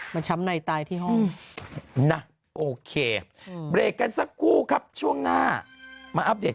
มันช้ำในตายที่ห้องนะโอเคเบรกกันสักครู่ครับช่วงหน้ามาอัปเดต